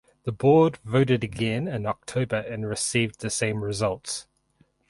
The Board voted again in October and received the same results.